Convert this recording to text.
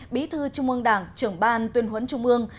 bí thư trung ương đảng trưởng ban tuyên huấn trung ương